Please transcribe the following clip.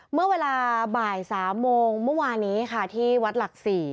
เมื่อเวลาบ่าย๓โมงเมื่อวานนี้ค่ะที่วัดหลัก๔